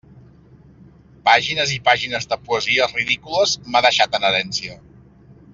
Pàgines i pàgines de poesies ridícules m'ha deixat en herència!